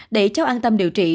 để cháu an tâm điều trị